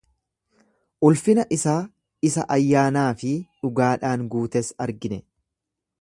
Ulfina isaa isa ayyaanaa fi dhugaadhaan guutes argine.